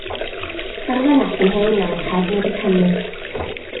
Mae'r ddynes yn hen a mae'i chefn wedi crymu.